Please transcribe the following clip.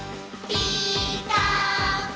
「ピーカーブ！」